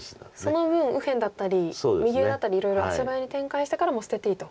その分右辺だったり右上だったりいろいろ足早に展開してからもう捨てていいと。